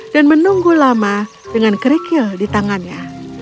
dan menunggu lama dengan kerikil di tangannya